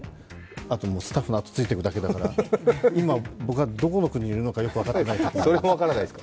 あとスタッフのあとをついて行くだけだから今、僕がどこの国にいるのかよく分かってないときもあります。